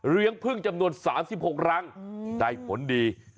เลี้ยงพึ่งจำนวน๓๖รังได้ผลดี